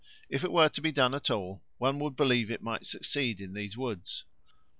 If it were to be done at all, one would believe it might succeed in these woods.